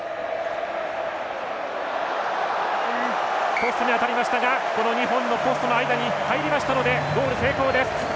ポストに当たりましたが２本のポストの間に入りましたので、ゴール成功です。